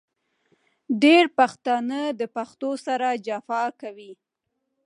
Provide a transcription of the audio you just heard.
ډېری پښتانه د پښتو سره جفا کوي .